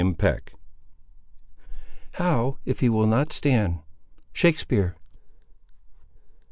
CHAPTER XIX How if he will not stand? —Shakespeare.